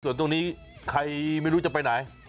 ส่วนตรงนี้ใครไม่รู้จะไปไหน